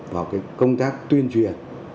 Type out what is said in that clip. vào cái công tác tuyên truyền